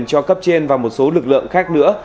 cho cấp trên và một số lực lượng khác nữa